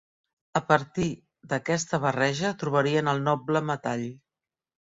A partir d'aquesta barreja trobarien el noble metall.